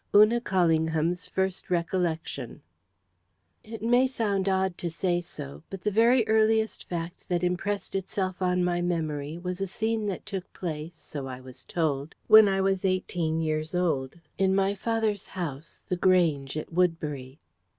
UNA CALLINGHAM'S FIRST RECOLLECTION It may sound odd to say so, but the very earliest fact that impressed itself on my memory was a scene that took place so I was told when I was eighteen years old, in my father's house, The Grange, at Woodbury.